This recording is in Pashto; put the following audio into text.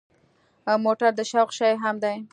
موټر د شوق شی هم دی.